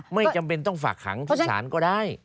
ไม่จำเป็นต้องฝากขังที่ศาลก็ได้